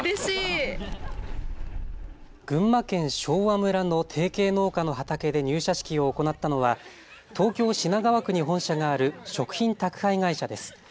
群馬県昭和村の提携農家の畑で入社式を行ったのは東京品川区に本社がある食品宅配会社です。